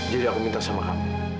jadi aku minta sama kamu